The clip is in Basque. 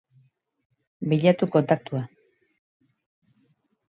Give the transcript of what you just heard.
Bilatu kontaktua.